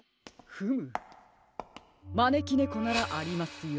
フムまねきねこならありますよ。